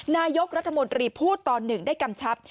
นายกรัฐมนตรีพูดตอนหนึ่งได้กำชับ